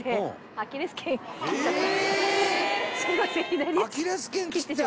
「アキレス腱切った！？」